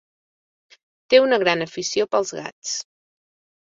Té una gran afició pels gats.